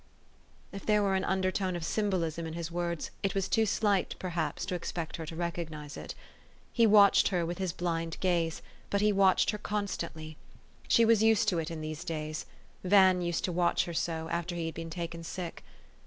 If there were an undertone of symbolism in his words, it was too slight, perhaps, to expect her to recognize it. He watched her with his blind gaze ; but he watched her constantly. She was used to it in these days : Van used to watch her so, after he had been taken sick.